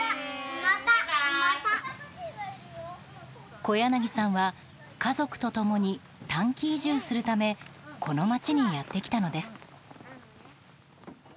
小柳さんは家族と共に短期移住するためこの町にやってきたのです。